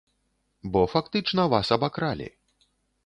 Бо, фактычна, вас абакралі.